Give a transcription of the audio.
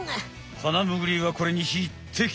ハナムグリはこれにひってき！